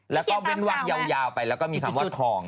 แล้วก็เว้นวันยาวไปแล้วก็มีคำว่าทอง